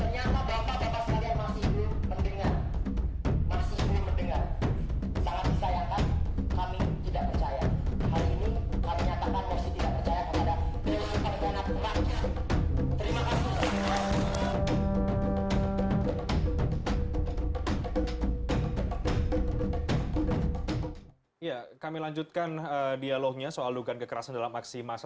ya kami lanjutkan dialognya soal lukan kekerasan dalam aksi massa